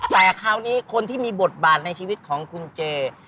แต่คราวนี้คนที่มีบทบาทในชีวิตของคุณเจ